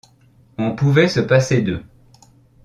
On pouvait se passer d’eux